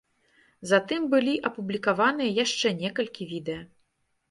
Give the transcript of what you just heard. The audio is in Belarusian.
Затым былі апублікаваныя яшчэ некалькі відэа.